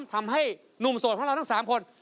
ทำให้หนุ่มโสดของเราทั้ง๓คน